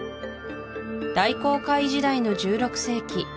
大航海時代の１６世紀